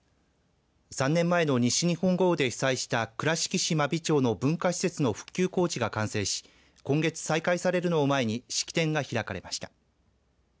３年前の西日本豪雨で被災した倉敷市真備町の文化施設の復旧工事が完成し今月再開されるのを前に式典が開かれました。